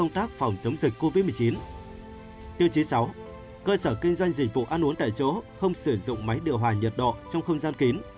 tiêu chí sáu cơ sở kinh doanh dịch vụ ăn uống tại chỗ không sử dụng máy điều hòa nhiệt độ trong không gian kín